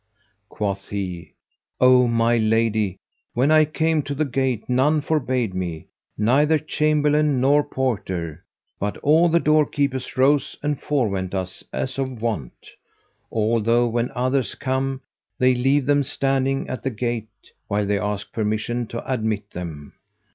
Quoth he, "O my lady, when I came to the gate, none forbade me, neither chamberlain nor porter, but all the door keepers rose and forewent us as of wont; although, when others come, they leave them standing at the gate while they ask permission to admit them.